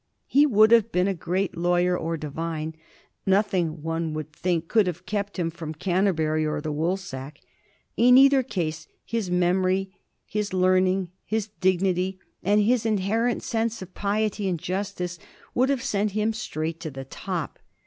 He would have been a great lawyer or divine. Nothing, one would think, could have kept him from Canterbury or from the Woolsack. In either case his memory, his learning, his dignity, and his inherent sense of piety and justice, would have sent him straight to the top.